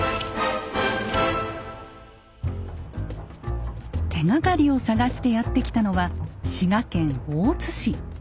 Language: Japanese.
手ががりを探してやって来たのは滋賀県大津市。